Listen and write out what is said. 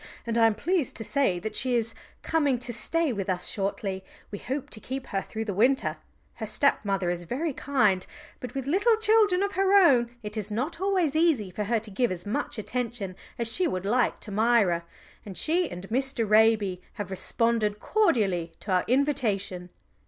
"And I am pleased to say that she is coming to stay with us shortly. We hope to keep her through the winter. Her stepmother is very kind, but with little children of her own, it is not always easy for her to give as much attention as she would like to Myra, and she and Mr. Raby have responded cordially to our invitation."